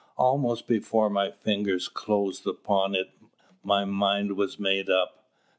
Almost before my fingers closed upon it my mind was made up.